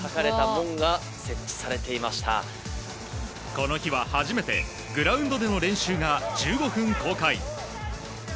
この日は初めてグラウンドでの練習が１５分、公開。